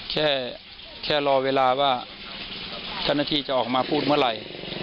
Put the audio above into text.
แค่รอเวลาว่าเจ้าหน้าที่จะออกมาพูดเมื่อไหร่